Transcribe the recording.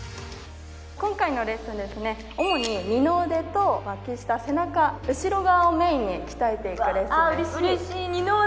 今回のレッスンですね主に二の腕と脇下背中後ろ側をメインに鍛えていくレッスンですああ